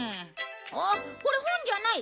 あっこれ本じゃない。